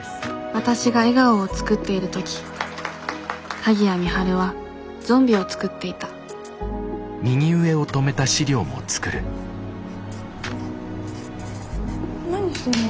わたしが笑顔を作っている時鍵谷美晴はゾンビを作っていた何してんの？